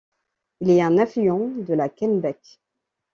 Elle est un affluent de la Kennebec.